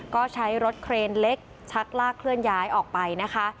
ก็ใช้รถเครนเล็กชักลากเคลื่อนย้ายออกไปนะคะ